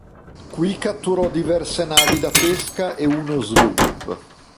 Qui catturò diverse navi da pesca e uno sloop.